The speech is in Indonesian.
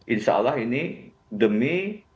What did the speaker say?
insya allah ini demi